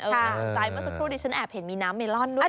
สนใจเมื่อสักครู่นี้ฉันแอบเห็นมีน้ำเมลอนด้วย